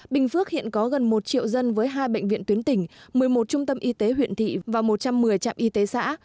bình phước hiện có gần một triệu dân với hai bệnh viện tuyến tỉnh một mươi một trung tâm y tế huyện thị và một trăm một mươi trạm y tế xã